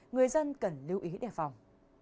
người dân cần lưu ý đề phòng